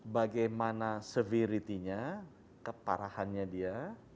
bagaimana severity nya keparahannya dia